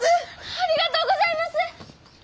ありがとうございます！